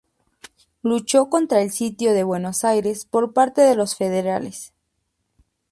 Luchó contra el sitio de Buenos Aires por parte de los federales.